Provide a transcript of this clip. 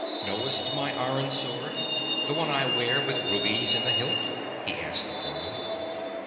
"Knowst my iron sword, the one I wear, with rubies in the hilt?" he asked the foreman.